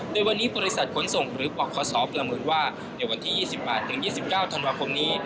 แต่วันนี้พิวดิษัทขนส่งรึบว่าอ่ะขอสอบประเมินว่าเดี๋ยววันที่๒๘ถึง๒๙ธันวาคมนี้